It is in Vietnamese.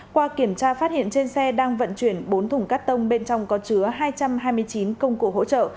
qua kiểm tra phát hiện trên xe đang vận chuyển bốn thùng cắt tông bên trong có chứa hai trăm hai mươi chín công cụ hỗ trợ